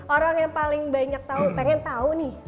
orang yang paling banyak tau pengen tau nih